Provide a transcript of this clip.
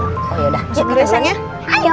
oh yaudah masuk dulu aja